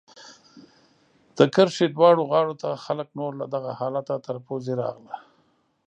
د کرښې دواړو غاړو ته خلک نور له دغه حالته تر پوزې راغله.